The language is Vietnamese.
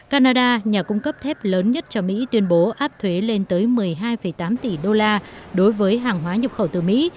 canada nhà cung cấp thép lớn nhất cho mỹ tuyên bố áp thuế lên tới một mươi hai tám tỷ đô la đối với hàng hóa nhập khẩu từ mỹ